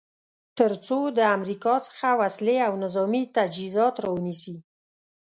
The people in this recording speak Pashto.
تر څو د امریکا څخه وسلې او نظامې تجهیزات را ونیسي.